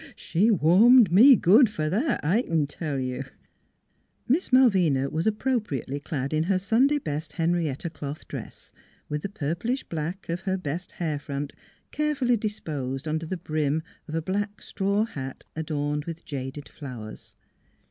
She warmed me good f'r that, I c'n tell you." Miss Malvina was appropriately clad in her Sunday best Henrietta cloth dress, with the pur NEIGHBORS 251 plish black of her best hair front carefully dis posed under the brim of a black straw hat adorned with jaded flowers.